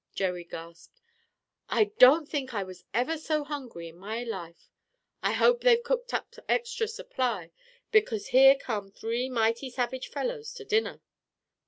Jerry gasped. "I don't think I was ever so hungry in my life. I hope they've cooked an extra supply, because here come three mighty savage fellows to dinner."